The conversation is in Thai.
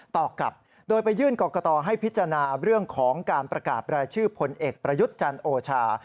ต่อกลับโดยไปยื่นกรกตให้พิจารณาเรื่องของการประกาศรายชื่อพลเอกประยุทธ์จันทร์โอชา